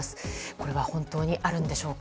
これは本当にあるんでしょうか。